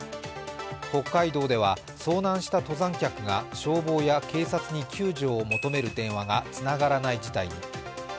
北海道では遭難した登山客が消防や警察に救助を求める電話がつながらない事態に。